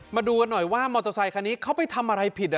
มาดูกันหน่อยว่ามอเตอร์ไซคันนี้เขาไปทำอะไรผิด